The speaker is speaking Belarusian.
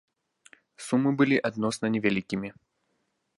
Сумы былі адносна невялікімі.